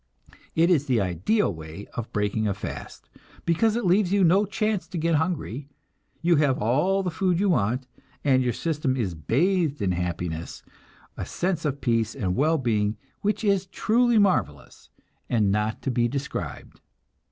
It is the ideal way of breaking a fast, because it leaves you no chance to get hungry; you have all the food you want, and your system is bathed in happiness, a sense of peace and well being which is truly marvelous and not to be described.